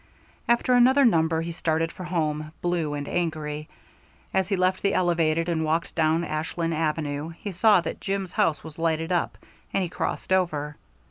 After another number he started for home, blue and angry. As he left the elevated and walked down Ashland Avenue, he saw that Jim's house was lighted up, and he crossed over.